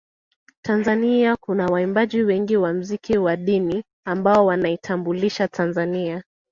Tanzania kuna waimbaji wengi wa mziki wa dini ambao wanaitambulisha Tanzania